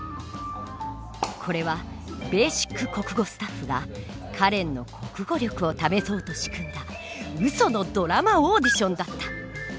これは「ベーシック国語」スタッフがカレンの国語力を試そうと仕組んだウソのドラマオーディションだった。